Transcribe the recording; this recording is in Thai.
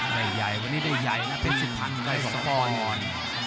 ได้ใหญ่วันนี้ได้ใหญ่นะแพ็ดสุภัณฑ์ได้สปอน